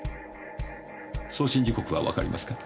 送信時刻はわかりますか？